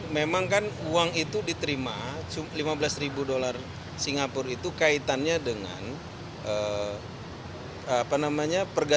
memang kan uang itu diterima lima belas ribu dolar singapura itu kaitannya dengan apa namanya